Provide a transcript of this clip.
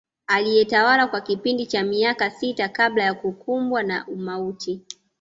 Aliyetawala kwa kipindi cha miaka sita kabla ya kukumbwa na umauti